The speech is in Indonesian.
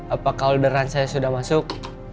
apakah orderan saya sudah masuk